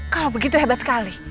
kalau begitu hebat sekali